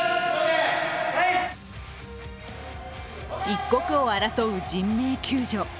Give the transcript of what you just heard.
一刻を争う人命救助。